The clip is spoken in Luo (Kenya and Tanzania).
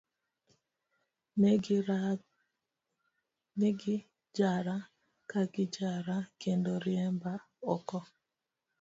Ne gijara, ka gijara, kendo riemba oko.